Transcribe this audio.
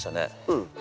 うん。